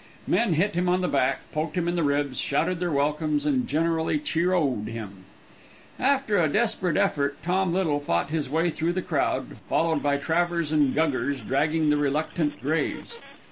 Men hit him on the back, poked him in the ribs, shouted their welcomes and generally cheer oh'd him. After a desperate effort Tom Little fought his way through the crowd, followed by Travers and Guggers dragging the reluctant Graves.